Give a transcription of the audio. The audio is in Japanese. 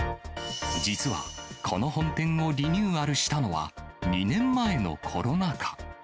実は、この本店をリニューアルしたのは２年前のコロナ禍。